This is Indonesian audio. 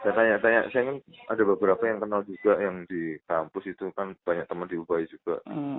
saya tanya tanya saya kan ada beberapa yang kenal juga yang di kampus itu kan banyak teman di ubai juga